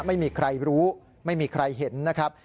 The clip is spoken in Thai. ไม่มีใครรู้ไม่มีใครเห็นนะครับ